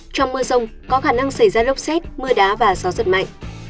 trong mưa rông có khả năng xảy ra lốc xét mưa đá và gió giật mạnh